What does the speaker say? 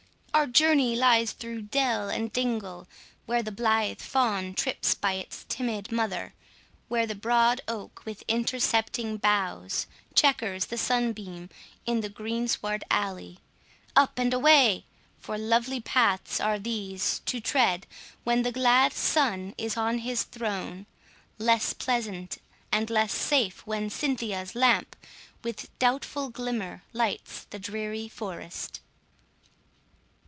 our journey lies through dell and dingle, Where the blithe fawn trips by its timid mother, Where the broad oak, with intercepting boughs, Chequers the sunbeam in the green sward alley— Up and away!—for lovely paths are these To tread, when the glad Sun is on his throne Less pleasant, and less safe, when Cynthia's lamp With doubtful glimmer lights the dreary forest.